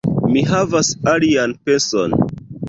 Mi havas alian penson.